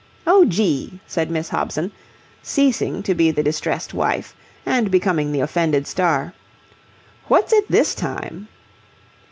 "Oh, gee!" said Miss Hobson, ceasing to be the distressed wife and becoming the offended star. "What's it this time?"